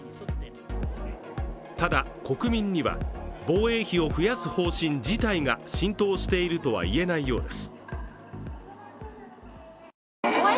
ただ、国民には防衛費を増やす方針自体が浸透しているとはいえないようです。